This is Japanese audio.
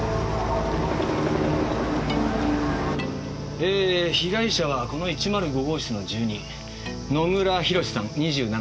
え被害者はこの１０５号室の住人野村弘さん２７歳。